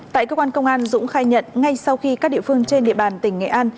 tại cơ quan công an dũng khai nhận ngay sau khi các địa phương trên địa bàn tỉnh nghệ an